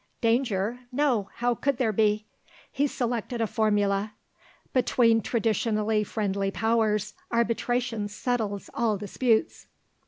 "Danger? No how could there be?" He selected a formula: "Between traditionally friendly powers arbitration settles all disputes."